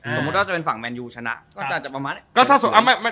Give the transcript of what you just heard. สมมติว่าจะเป็นฝั่งแมนยูชนะก็ไปเหมาะด้วย